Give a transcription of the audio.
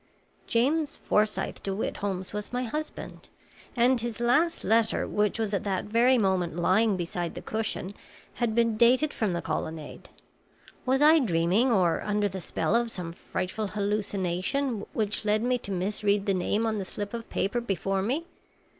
"James Forsythe De Witt Holmes was my husband, and his last letter, which was at that very moment lying beside the cushion, had been dated from the Colonnade. Was I dreaming or under the spell of some frightful hallucination which led me to misread the name on the slip of paper before me?